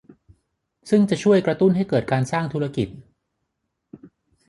ซึ่งจะช่วยกระตุ้นให้เกิดการสร้างธุรกิจ